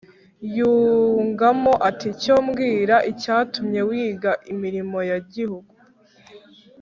Yungamo, ati «cyo mbwira icyatumye wiga imirimo ya gihungu.